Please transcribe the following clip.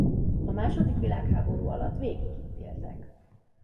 A második világháború alatt végig itt éltek.